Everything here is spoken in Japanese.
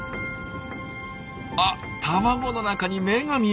あ卵の中に目が見えます。